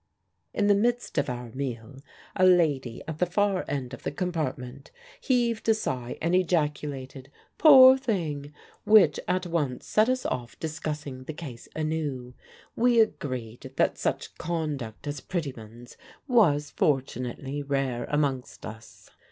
In the midst of our meal a lady at the far end of the compartment heaved a sigh and ejaculated "Poor thing!" which at once set us off discussing the case anew. We agreed that such conduct as Pretyman's was fortunately rare amongst us.